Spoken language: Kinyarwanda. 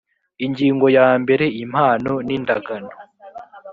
ingingo ya mbere impano n indagano